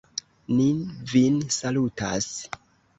Ni vin salutas!